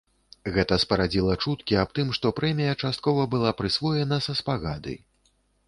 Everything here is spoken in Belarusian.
Гэта спарадзіла чуткі аб тым, што прэмія часткова была прысвоена са спагады.